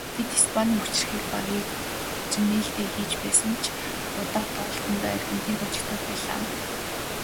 Тэд Испанийн хүчирхэг багийг хожин нээлтээ хийж байсан ч удаах тоглолтдоо Аргентинд хожигдоод байлаа.